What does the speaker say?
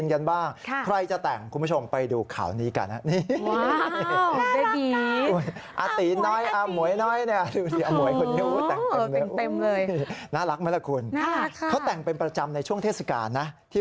สีดำไม่แต่งกันแล้วช่วงนี้